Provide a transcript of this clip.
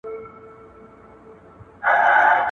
د بدن حرکت د انسان لپاره ډېر ګټور دی.